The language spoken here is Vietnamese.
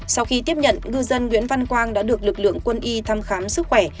sau khi tiếp nhận ngư dân nguyễn văn quang đã được lực lượng quân y thăm khám sức khỏe